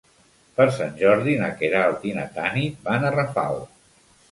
Per Sant Jordi na Queralt i na Tanit van a Rafal.